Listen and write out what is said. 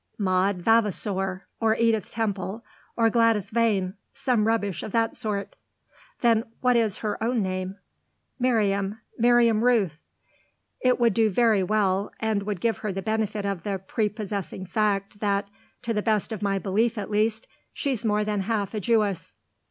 "Maud Vavasour, or Edith Temple, or Gladys Vane some rubbish of that sort." "What then is her own name?" "Miriam Miriam Rooth. It would do very well and would give her the benefit of the prepossessing fact that to the best of my belief at least she's more than half a Jewess."